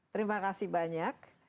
terima kasih banyak